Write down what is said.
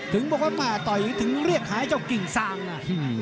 ถึงบอกว่าแม่ต่อยถึงเรียกหาเจ้ากิ่งซางนะ